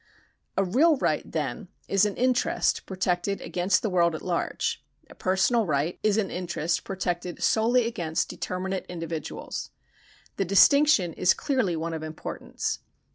A real right, then, is an interest protected against the world at large ; a personal right is an interest protected solely against determinate individuals. The distinction is clearly one of importance.